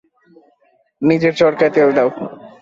নিজের চরকায় তেল দাও।